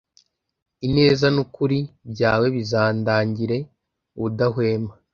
ineza n’ukuri byawe bizandagire ubudahwema